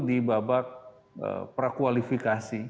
di babak prakualifikasi